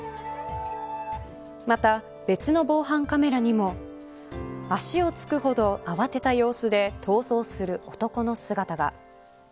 また別の防犯カメラにも足をつくほど慌てた様子で逃走する男の姿が。